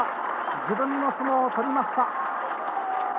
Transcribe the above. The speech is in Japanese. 自分の相撲を取りました。